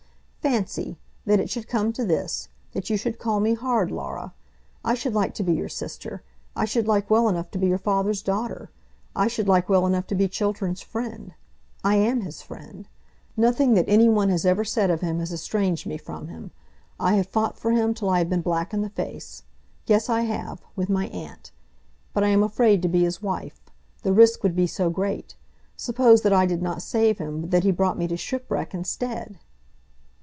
"Fancy, that it should come to this, that you should call me hard, Laura. I should like to be your sister. I should like well enough to be your father's daughter. I should like well enough to be Chiltern's friend. I am his friend. Nothing that any one has ever said of him has estranged me from him. I have fought for him till I have been black in the face. Yes, I have, with my aunt. But I am afraid to be his wife. The risk would be so great. Suppose that I did not save him, but that he brought me to shipwreck instead?"